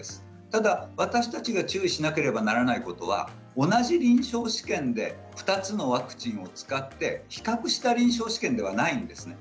ただ私たちが注意しなければならないことは同じ臨床試験で２つのワクチンを使って比較した臨床試験ではないんですね。